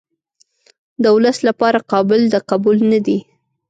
د ولس لپاره قابل د قبول نه دي.